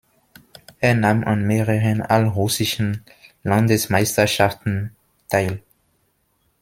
Er nahm an mehreren "All-russischen Landesmeisterschaften" teil.